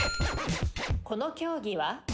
この競技は？